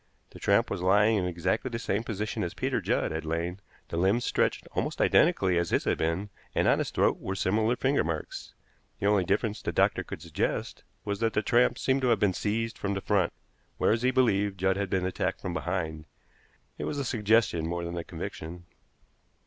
The tramp was lying in exactly the same position as Peter Judd had lain, the limbs stretched almost identically as his had been, and on his throat were similar finger marks. The only difference the doctor could suggest was that the tramp seemed to have been seized from the front, whereas, he believed, Judd had been attacked from behind. It was a suggestion more than a conviction.